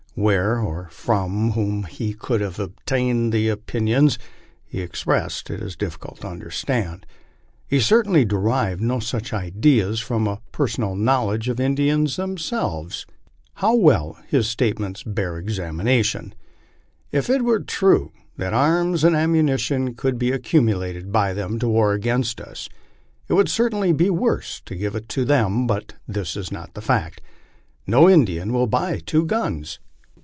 Where or from whom he could have obtained the opinions he ex pressed, it is difficult to understand. He certainly derived no such ideas from a personal knowledge of the Indians themselves. How well his statements bear examination : If it were true that arms and ammunition could be ac cumulated by them to war against us, it would certainly be worse to give it to them, but this is not the fact. No Indian will buy IAVO guns."